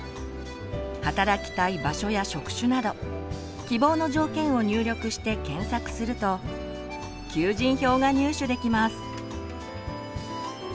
働きたい場所や職種など希望の条件を入力して検索すると求人票が入手できます。